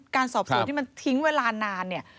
การสอบสวนที่มันทิ้งเวลานานเนี่ย